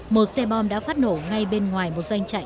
một xe bom đã phát nổ ngay bên ngoài một doanh trại